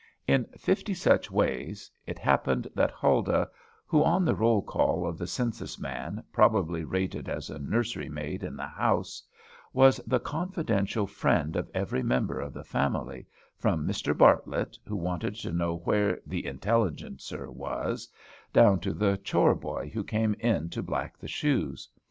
In fifty such ways, it happened that Huldah who, on the roll call of the census man, probably rated as a nursery maid in the house was the confidential friend of every member of the family, from Mr. Bartlett, who wanted to know where "The Intelligencer" was, down to the chore boy who came in to black the shoes.